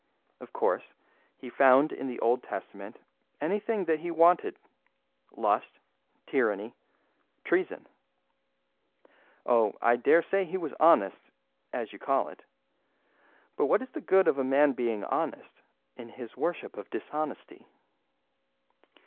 Of course, he found in the Old Testament anything that he wanted lust, tyranny, treason. Oh, I dare say he was honest, as you call it. But what is the good of a man being honest in his worship of dishonesty?